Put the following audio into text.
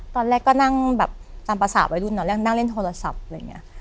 ตอนแรกก็นั่งแบบตามภาษาวัยรุ่นตอนแรกนั่งเล่นโทรศัพท์อะไรอย่างนี้